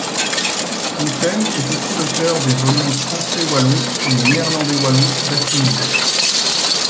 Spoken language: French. Fontaine est aussi l’auteur des volumes français-wallon et néerlandais-wallon d'Assimil.